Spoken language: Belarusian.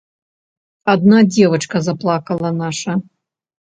Адна дзевачка заплакала наша.